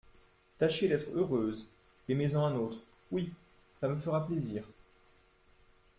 Tâchez d'être heureuse, aimez-en un autre ; oui, ça me fera plaisir.